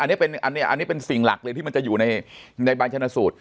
อันนี้เป็นอันนี้อันนี้เป็นสิ่งหลักเลยที่มันจะอยู่ในในบรรชนสูตร